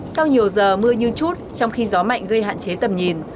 sau nhiều giờ mưa như chút trong khi gió mạnh gây hạn chế tầm nhìn